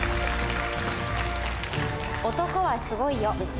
「男はすごいよ」